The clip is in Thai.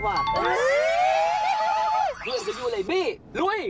เพื่อนจะอยู่เลยบี้รุ๊ย